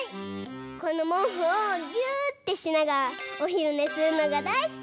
このもうふをぎゅってしながらおひるねするのがだいすき！